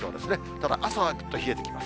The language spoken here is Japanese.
ただ朝はぐっと冷えてきます。